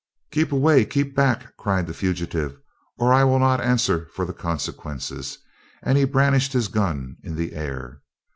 "Keep away! keep back!" cried the fugitive, "or I will not answer for the consequences," and he brandished his gun in the air.